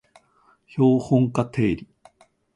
標本化定理